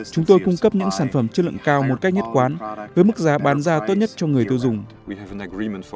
chúng tôi cung cấp những sản phẩm chất lượng cao một cách nhất quán với mức giá bán ra tốt nhất cho người tiêu dùng